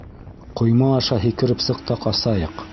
Ҡойма аша һикереп сыҡ та ҡасайыҡ.